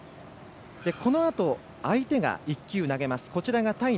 このあと相手が１球投げます。